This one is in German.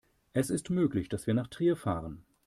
Es ist möglich, dass wir nach Trier fahren